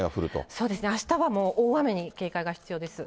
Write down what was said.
そうですね、あしたはもう大雨に警戒が必要です。